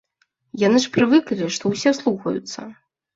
Яны ж прывыклі, што ўсе слухаюцца.